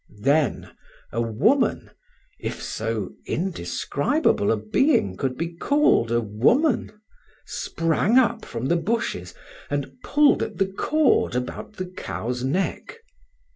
Then a woman, if so indescribable a being could be called a woman, sprang up from the bushes, and pulled at the cord about the cow's neck.